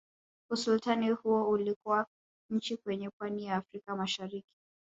Usultani huo ulikuwa nchi kwenye pwani ya Afrika mashariki